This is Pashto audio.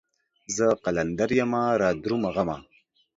زه قلندر يمه رادرومه غمه